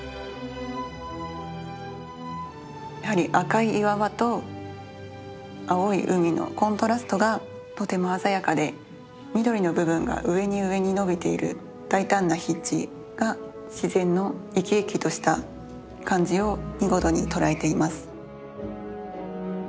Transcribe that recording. やはり赤い岩場と青い海のコントラストがとても鮮やかで緑の部分が上に上に伸びている大胆な筆致が自然の生き生きとした感じを見事に捉えています。